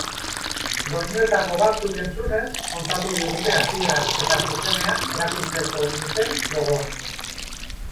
Doinuetako batzuk entzunez kontatu digute hasieraz eta zuzenean erakusteko duten gogoaz.